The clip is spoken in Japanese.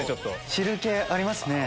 汁気ありますね。